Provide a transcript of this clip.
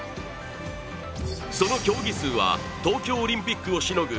その競技数は東京オリンピックをしのぐ